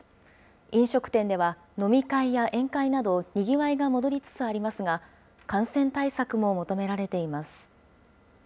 飲食店では飲み会や宴会など、にぎわいが戻りつつありますが、感染対策も求められています。